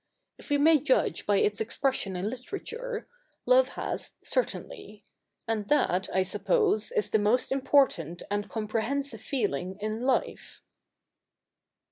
If we may judge by its expression in literature, love has. certainly : and that I 200 THE NEW REPUBLIC [bk. iv suppose is the most important and comprehensive feehng in life.'